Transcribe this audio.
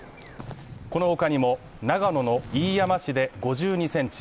この他にも、長野の飯山市で５２ｃｍ